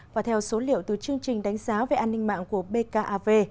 và theo số liệu từ chương trình đánh giá về an ninh mạng của bkav